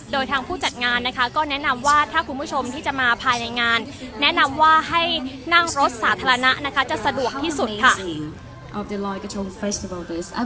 โดยทางผู้จัดงานนะคะก็แนะนำว่าถ้าคุณผู้ชมที่จะมาภายในงานแนะนำว่าให้นั่งรถสาธารณะนะคะจะสะดวกที่สุดค่ะ